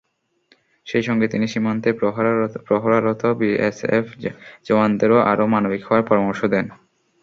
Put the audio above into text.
সেই সঙ্গে তিনি সীমান্তে প্রহরারত বিএসএফ জওয়ানদেরও আরও মানবিক হওয়ার পরামর্শ দেন।